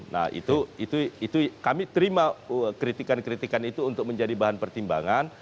nah itu kami terima kritikan kritikan itu untuk menjadi bahan pertimbangan